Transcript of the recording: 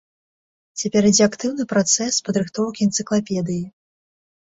Цяпер ідзе актыўны працэс падрыхтоўкі энцыклапедыі.